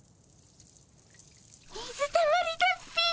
水たまりだっピィ。